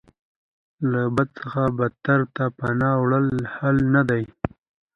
له بد څخه بدتر ته پناه وړل حل نه دی.